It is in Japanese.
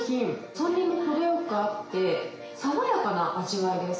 酸味も程よくあって、爽やかな味わいです。